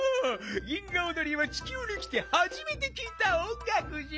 銀河おどりはちきゅうにきてはじめてきいた音がくじゃ。